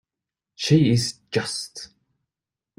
She is just.